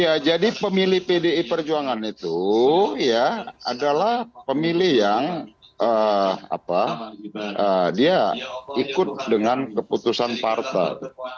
ya jadi pemilih pdi perjuangan itu ya adalah pemilih yang dia ikut dengan keputusan partai